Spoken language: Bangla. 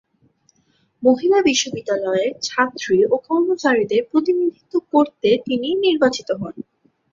মহিলা বিশ্ববিদ্যালয়ের ছাত্রী ও কর্মচারীদের প্রতিনিধিত্ব করতে তিনি নির্বাচিত হন।